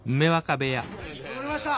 戻りました！